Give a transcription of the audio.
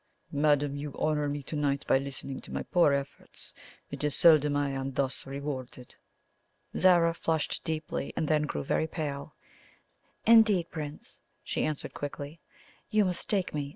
"Madame, you honour me to night by listening to my poor efforts. It is seldom I am thus rewarded!" Zara flushed deeply, and then grew very pale. "Indeed, Prince," she answered quietly, "you mistake me.